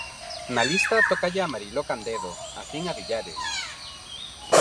Na lista tócalle a Mariló Candedo, afín a Villares.